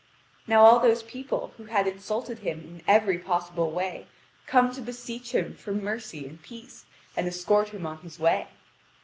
Now all those people who had insulted him in every possible way come to beseech him for mercy and peace, and escort him on his way.